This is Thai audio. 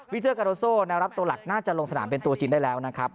เจอร์กาโดโซแนวรับตัวหลักน่าจะลงสนามเป็นตัวจริงได้แล้วนะครับ